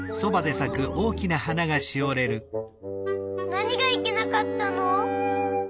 なにがいけなかったの？